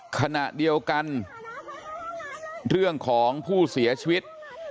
ขณะเดียวกันเรื่องของผู้เสียชีวิต